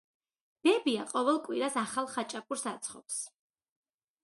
ბებია ყოველ კვირას ახალ ხაჭაპურს აცხობს.